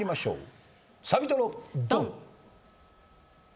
サビトロドン！